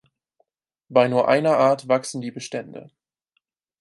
Bei nur einer Art wachsen die Bestände.